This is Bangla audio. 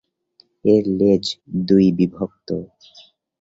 এর লেজ দুইবিভক্ত।